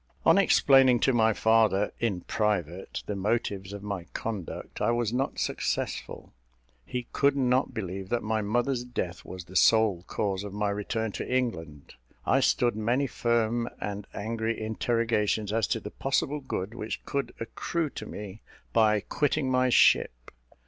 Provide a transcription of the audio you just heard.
On explaining to my father, in private, the motives of my conduct, I was not successful. He could not believe that my mother's death was the sole cause of my return to England. I stood many firm and angry interrogations as to the possible good which could accrue to me by quitting my ship.